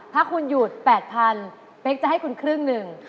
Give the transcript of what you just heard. ถ้าคุณหยุด๘๐๐๐เป๊กจะให้คุณครึ่งหนึ่ง